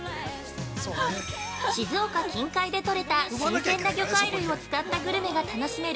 ◆静岡近海でとれた新鮮な魚介類を使ったグルメが楽しめる